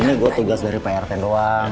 ini gue tugas dari prt doang